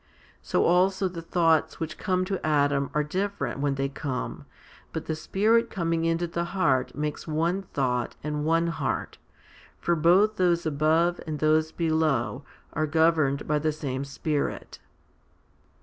So HOMILY XXXII 235 also the thoughts which come to Adam 1 are different when they come, but the Spirit coming into the heart makes one thought and one heart, for both those above and those below are governed by the same Spirit.